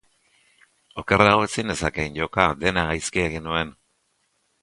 Okerrago ezin nezakeen joka, dena gaizki egin nuen.